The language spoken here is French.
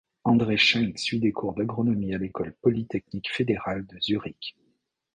André Schenk suit des cours d'agronomie à l'École polytechnique fédérale de Zurich.